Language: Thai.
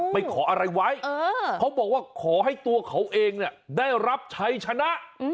ขออะไรไว้เขาบอกว่าขอให้ตัวเขาเองได้รับชัยชนะ